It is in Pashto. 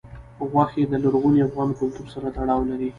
غوښې د لرغوني افغان کلتور سره تړاو لري.